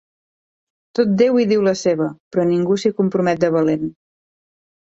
Tot déu hi diu la seva, però ningú s'hi compromet de valent.